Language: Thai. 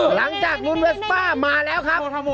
หลังจากรุ้นเวสป้ามาแล้วครับ